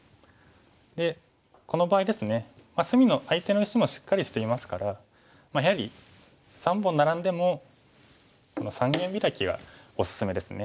でこの場合ですね隅の相手の石もしっかりしていますからやはり３本ナラんでもこの三間ビラキがおすすめですね。